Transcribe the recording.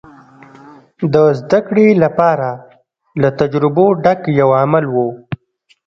د زدهکړې لپاره له تجربو ډک یو عمل و.